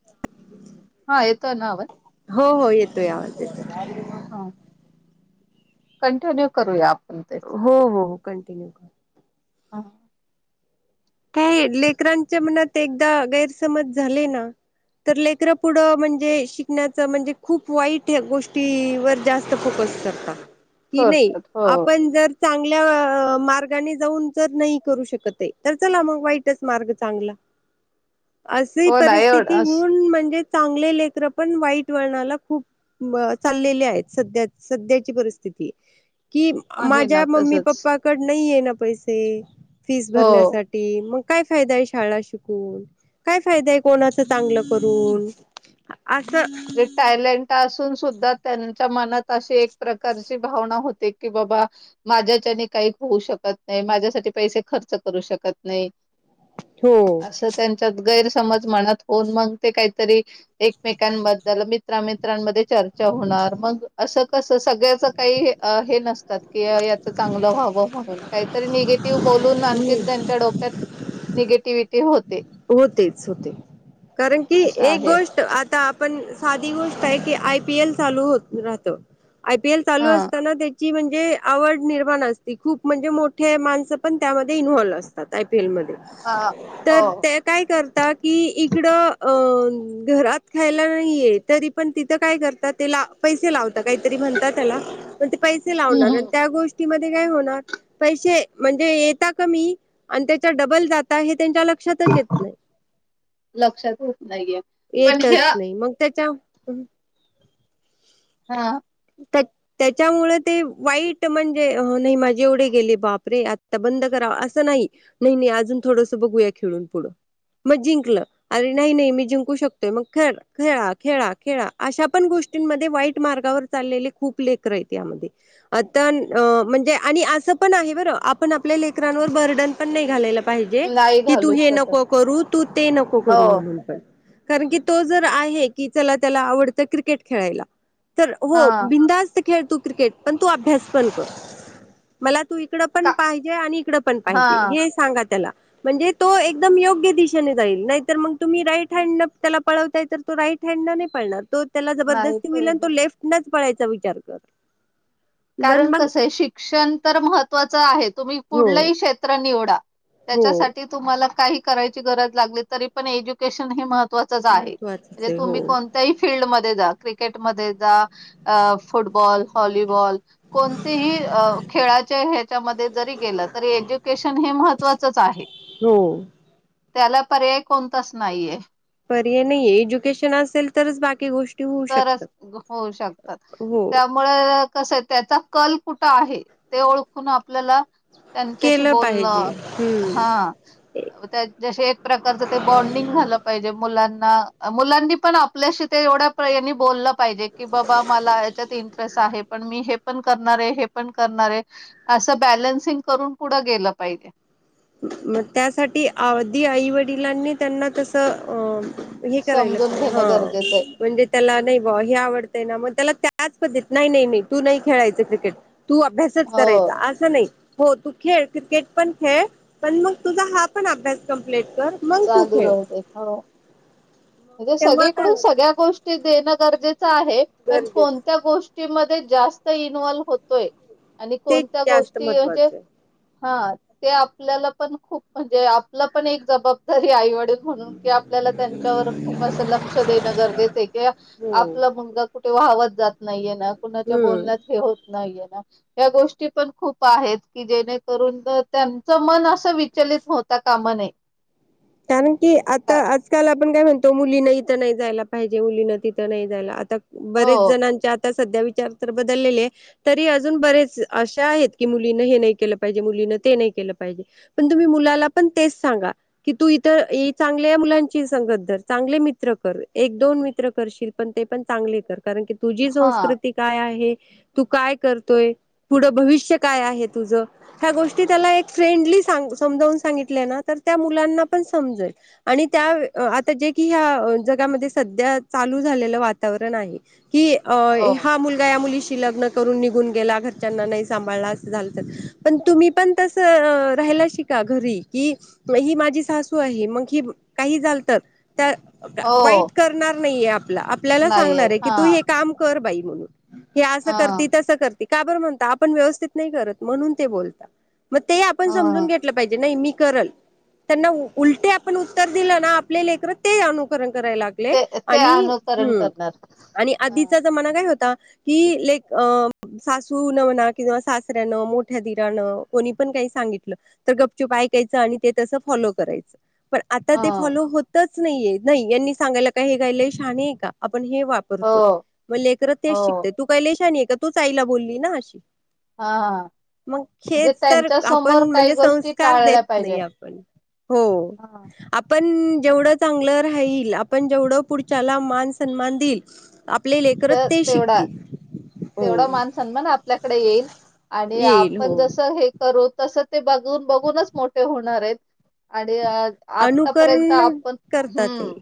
[inaudible] हा येतोय न आवाज. हो हो, येतोय आवाज येतोय. ह, कंटिन्यू करूया आपण तेच. हो हो, कंटिन्यू कर. हा ते लेकरांच्या मनात एकदा गैरसमज झाले ना, तर लेकरं पुढं म्हणजे शिकण्याचं म्हणजे खूप वाईट गोष्टी वर जास्त त फोकस करता. की नाही करतात हो आपण जर चांगलं मार्गानी जाऊन जर नाही करू शकते. तर चला मग वाईटच मार्ग चांगला. अशी हो ना परिस्थिती एवढंच होऊन म्हणजे चांगले लेकरं पण वाईट वर्णाला खूप ब चाललेले आहेत. संध्या संध्याची परिस्थिती की, आहे ना माझ्या मम्मी तसच पप्पाकड नाही आहे ना, पैसे फिस हो भरण्यास टी मग काय फायदा आहे. शाळा शिकून काय फायदा आहे कोणाचं चांगलं करून असं जे टॅलेंट असून सुद्धा त्यांच्या मनात तशी एक प्रकारची भावना होते. की बाबा माझ्याच्यानी काही होऊ शकत नाही. माझ्यासाठी पैसे खर्च करू शकत नाही. हो. स त्यांच्यात गैरसमज मनात होऊन मग ते काहीतरी एकमेकांब मित्रा मित्रांमध्ये चर्चा होणार. मग अस कसं सगळ्याच काही हे नसतात की, याच चांगलं व्हावं म्हणून काहीतरी निेगे टिव्ह बोलून, आणखी त्यांच्या डोक्यात निगेटिव्हीटी होत. होतेच होते. कारण की, असं एक आहे गोष्ट आता पण साधी गोष्ट आहे की, आय पी एल चालू हो राहतं. आय पी एल चालू हा. असताना त्या ची म्हणजे आवड निर्माण असती. खूप म्हणजे मोठे माणसं पण त्यामध्ये इन्व्हॉल्व्ह असतात. आय पी एल मध्ये हा, तर हो. ते काय करता की, इकडं अ घरात खायला नाहीये. तरी पण तिथं काय करता. ते ला पैसे लावता. काहीतरी म्हणता त्याला पण ते पै ते हम्म लावणार. अन हम्म त्या गोष्टीमध्ये काय होणार. पैसे म्हणजे येता कमी आणि त्याच्या डबल जाता हे त्यांच्या लक्षातच येत नाही. लक्षात येत नाहीये पण ह्या येतच नाही. मग त्याच्या हम्, हा, तेग त्याच्यामुळे ते वाईट म्हणजे नाही माझे एवढे गेले. बाप रे आता बंद करा असं नाही. नाही नाही, अजून थोडंस बघूया खेळून पुढं मग जिंकलं. अरे नाही नाही मी जिंकू शकतोय. मग खेळ खेळा खेळा खेळा अशा पण गोष्टींमध्ये वाईट मार्गावर चाललेले खूप लेकर आहेत. यामध्ये अ तन म्हणजे आणि असं पण आहे बरं, आपण आपल्या लेकरांवर बर्डन पण नाही घालायला पाहिजे. नाही की तू घालू हे शकत. नको करू, तू ते नको हो करू, म्हणून पण कारण की, तो जर आहे की चला त्याला आवडतं क्रिकेट खेळायला. तर हो हा बिंदास्त खेळ तू क्रिकेट पण तू अभ्यास पण कर. मला तू इकडं का पण पाहिजे आणि इकडं पण पाहिजे हा हे सांगा त्याला. म्हणजे तो एकदम योग्य दिशेने जाईल, नाहीतर मग तुम्ही राईट हँड, न त्याला पळवतायं तर तो राईट नाही पडणार तो त्याला नाही जबरदस्ती मिल पाहिजे. तो लेफ्ट नच पळायचा विचार कर. पण कारण मग कसं आहे शिक्षण, तर महत्त्वाचं आहे तुम्ही हो कुठलंही क्षेत्र, निवडा. हो त्याच्यासाठी तुम्हाला काही करायची गरज लागली तरी पण एज्युकेशन, हे मह तो तसं आहे महत्वाचच म्हणजे आहे हो तुम्ही कोण? त्या ही फिल्ड मध्ये जा क्रिकेट मध्ये जा फुटबॉल, हॉलीबॉल, कोणतेही खेळाच्या ह्याच्यामध्ये जरी गेलं तरी एज्युकेशन, हे मह महत्वाचं आहे. हो. त्याला पर्याय कोणताचं नाहीये. पर्याय नाही एज्युकेशन असेल तरच बाकी गोष्टी होऊ शकतात तरचं होऊ शकतात हो त्या. मुळं कसं आहे त्याचा कल कुठं आहे ते ओळखून आपल्याला. त्यांच्याशी केलं पाहिजे बोलणं हम्म हा. त्या शी एक प्रकारचं ते बॉन्डिंग झालं पाहिजे मुलांना- मुलांनी पण आपल्याशी ते एवढ्या. यांनी बोललं पाहिजे की बाबा मला याच्यात इंटरेस्ट आहे. पण मी हे पण करणारे - हे पण करणारे असं बॅलन्सिंग करून कुठं गेलं पाहिजे. मग त्यासाठी आधी आई वडिलांनी त्यांना तसं अ हे करायला समजून हा घेणं गरजेचं आहे म्हणजे त्याला नाही बा हे आवडतयं ना मग त्याला त्याच पद्धत नाही - नाही तू नाही खेळायचं क्रिकेट. तू अभ्यासचं हो करायचा असं नाही हो तू खेळ, क्रिकेट पण खेळ. पण मग तुझा हा पण अभ्यास कमप्लीट कर. मग तू चालू खेळ राहते हो म्हणजे तेव्हा काय सगळीकडून, होत सगळ्या गोष्टी देण गरजेचं आहे पण गरजेच कोणत्या गोष्टीमध्ये, जास्त इन्वॉल्व होतोयं. आणि तेच कोणत्या जास्त गोष्टी हे जे. महत्त्वाचं आहे हा ते आपल्याला, पण खूप म्हणजे, आपलं पण एक जबाब तरी आई वडील म्हणून कि आपल्याला त्यांच्यावर खूप असं लक्ष देणं गरजेचं कि हो आपला मुलगा कुठे वाहत, जात नाहीये ना कुणाच्या, हम्म बोलण्यात हे होत नाहीये ना. या गोष्टी पण खूप आहेत की जेणेकरून त्यांचं मन असं विचलित, होता कामा नाही. कारण की आता आजकाल, आपण काय म्हणत? तो मुलीन इथं नाही जायला पाहिजे मुलीन तिथं नाही जायला आता बरेच हो जणांच्या. सध्या, विचार तर बदललेले. तरी अजून बरेच, अशा आहेत की मुलीन हे नाही केलं पाहिजे मुलीन ते नाही केलं पाहिजे. पण तुम्ही मुलाला, पण तेचं सांगा. कि तू इतर चांगल्या मुलांची संगत र चांगले मित्र, कर एक दोन मित्र, करशील. पण ते पण चांगले कर कारण कि तुझी हा संस्कृती काय आहे तू काय करतोयं. पुढं भविष्य काय आहे तुझं? ह्या गोष्टी त्याला एक फ्रेंडली, समजून सांगित ना त्या मुलांना पण समजलं आणि त्या जे की ह्या जगामध्ये सध्या, चालू झालेलं वातावरण आहे. हि अ हो हा मुलगा या मुलीशी लग्न करून निघून गेला घरच्यांना नाही सांभाळला, असं झालं तर पण तुम्ही पण तसं राहायला शिका घरी कि. ही माझी सासू आहे, मग काही झाल तर त्या तर वाईट हो कर. होणार नाही आप - आपल्याला नाहीये सांगणार की हा तू हे काम कर बाई म्हणून हि अस हा करती तसं करती का बरं म्हणता? आपण व्यवस्थित नाही करत म्हणून ते बोलता मग ते आपण समजून हा घेत टलं पाहिजे नाही मी करल. त्यांना उलटे आपण उत्तर दिलं ना आपले लेकर ते अनुकरण करायला लाग ले ते ते आणि अनुकरण हम्म करणार आणि ह आधीचा जमाना काय होता कि लेक अ सासू न म्हणा किंवा सासऱ्यानं, मोठ्या दिरानं, कोणी पण काही सांगितलं तर गपचुप ऐकायचं आणि ते तस फॉलो करायचं पण आता ते हो फॉलो होत तचं नाहीये. नाही यांनी सांगायला का हे काय लय शहाने आहे का आपण हे वा करतोय. हो मग लेकरच तेच हो शिकतय तू काय लय शहानी आहे का तूच आईला बोलली ना अशी हा मग म्हणजे हेच तर त्यांच्या आपण समोर काही म्हणजे गोष्टी संस्कार टाळल्या देत पाहिजे. नाही आपण. हो हा. आपण जेवढं चांगलं राहील, आपण जेवढं पुढच्याला मान सन्मान देईल आपली लेकर तर ते तेवढा शिकतील. हो तेवढा मान सन्मान आपल्याकडे येईल आणि येईल आपण हो जस हे करू तस ते बघून बघूनच मोठे होणार आहेत आणि अ आत्तापर्यंत अनुकरण आपण करतात ते. हम्म.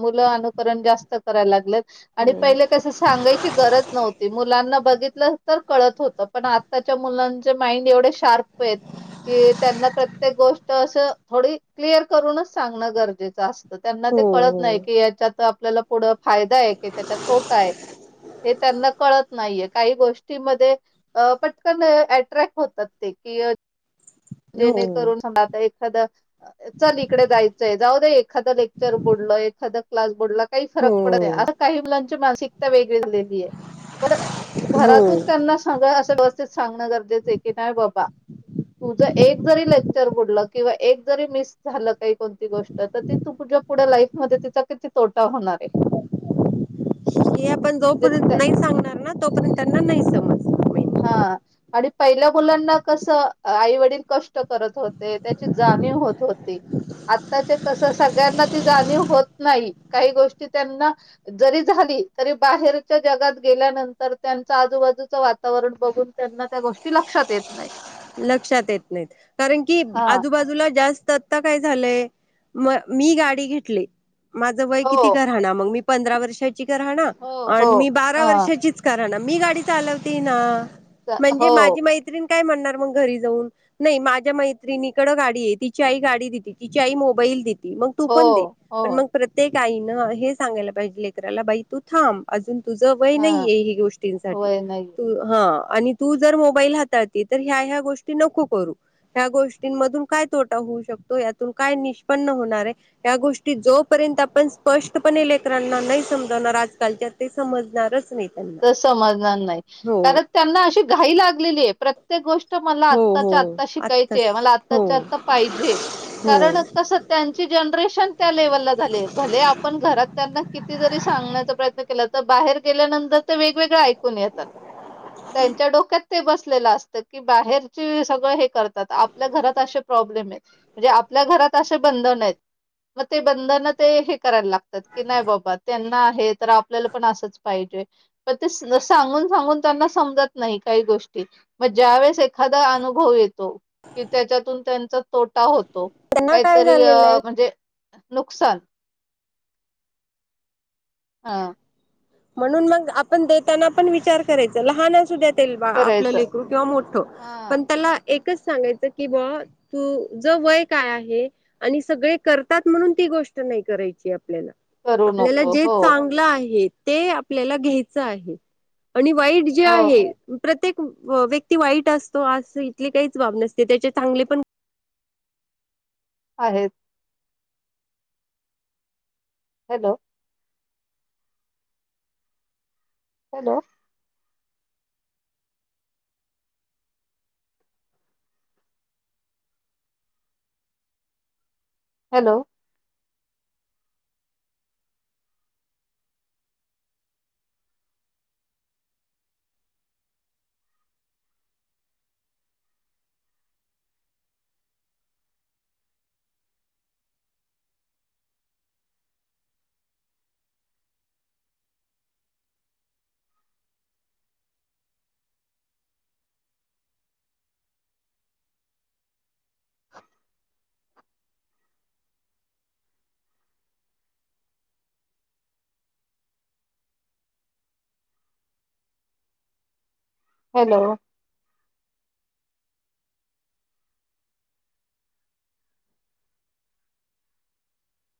मुलं अनुकरण जास्त करायला लागलेत आणि हो पहिले कस सांगायची गरज नव्ह त्यांना बघितल तर कळत होत पण आत्ताच्या मुलांचे माइंड एवढे शार्प आहेत कि त्यांना प्रत्येक गोष्ट असं थोडी क्लिअर करूनच सांगणं गरजेचं असत. तर त्यांना ते कळत नाही हो की याच्यात आपल्याला पुढं फायदा आहे की त्याच्यात तोटा आहे हे त्यांना कळत नाहीये. काही गोष्टी मध्ये अ पटकन अट्रॅक्ट होतात ते की अ हो जेणेकरून हो. [unintelligible] एक एखादा चल इकडे जायचंय जाऊ दे एखादं लेक्चर बुडलं, एखादा क्लास बुडला काही फरक पडत नाही आता हो काही मुलांची मानसिकता वेगळी झालेली आहे पण हो घरातून त्यांना सगळं असं व्यवस्थित सांगणं गरजेचं आहे की नाही बाबा तुझं एक जरी लेक्चर बुडलं किंवा एक जरी मिस झालं काही कोणती गोष्ट तर ती तूझ्या पुढं लाईफ मध्ये तिचा किती तोटा होणार आहे. हे आपण जोपर्यंत म्हणजे नाही सांगणार ना, तोपर्यंत त्यांना नाही समजणार. हा. आणि पहिल्या मुलांना कसं आई वडील कष्ट करत होते त्याची जाणीव होत होती. आत्ताच्या कस सगळ्यांना ती जाणीव होत नाही काही गोष्टी त्यांना जरी झाली तरी बाहेरच्या जगात गेल्यानंतर त्यांच आजूबाजूच वा वातावरण बघून त्यांना त्या गोष्टी लक्षात येत नाहीत. लक्षात येत नाहीत कारण की हा आजूबाजूला जास्त आता काय झालंय म मी गाडी घेतली माझं वय हो किती का राह ना मग मी पंधरा वर्षाची का राह ना हो आण हो मी बारा हा वर्षाचीच का रहा ना मी गाडी चालवतेय ना चा- म्हणजे हो माझी मैत्रीण काय म्हणार मग घरी जाऊन नाही माझ्या मैत्रीणीकडं गाडी आहे. तिची आई गाडी दिली, तिची आई मोबाईल दि ली मग तू हो पण दे. हो पण मग प्रत्येक आईन हे सांगायला पाहिजे लेकराला बाई तू थांब अजून तुझं वय हा नाहीये हे गोष्टींसाठी वय नाही तू हा आणि तू जर मोबाईल हाताळते तर ह्या ह्या गोष्टी नको करू. ह्या गोष्टींमधून काय तोटा होऊ शकतो यातून काय निष्पन्न होणार आहे. या गोष्टी जोपर्यंत आपण स्पष्टपणे लेकरांना नाही समजवणार आजकालच्या ते समजणारच नाहीत. ते समजणार नाही कारण त्यांना अशी घाई लागलेली आहे प्रत्येक गोष्ट मला हो आताच्या हो आता आत्ताच शिकायचे मला हो आताच्या आता हो पाहिजे कारण कस त्यांची जनरेशन त्या लेवलला झाली भले आपण घरात त्यांना किती जरी सांगण्याचा प्रयत्न केला. तर बाहेर गेल्यानंतर ते वेगवेगळ ऐकून येतात त्यांच्या डोक्यात ते बसलेलं असतं की बाहेरची सगळं हे करतात आपल्या घरात असे प्रॉब्लेम आहेत. म्हणजे आपल्या घरात असे बंधन आहेत मग ते बंधन ते हे करायला लागतात की नाही बाबा त्यांना हे तर आपल्याला पण असच पाहिजे. प ते सांगून सांगून त्यांना समजत नाही काही गोष्टी. मग ज्या वेळेस एखादा अनुभव येतो की त्याच्यातून त्यांचा तोटा होत. तो त्यांना काय काहीतरी झालेलं आहे अ म्हणजे नुकसान हा म्हणून मग आपण देताना पण विचार करायच लहान असुद्यात. तेलबा आपलं करायचं लेकरु किंवा मोठ हा पण त्याला एकच सांगायचं की बा तु तूज वय काय आहे? आणि सगळे करतात म्हणून ती गोष्ट नाही करायची आपल्याला करू आपल्याला नको जे हो चांग ल आहे ते आपल्याला घ्यायच आहे आणि वाईट जे हो आहे. प्रत्येक व्यक्ती वाईट असतो अस इथले काहीच बाब नसते त्याचे चांगले पण आहेत. हॅलो हॅलो हॅलो ह हॅलो